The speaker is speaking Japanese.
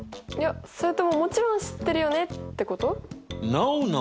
いやそれとももちろん知ってるよねってこと？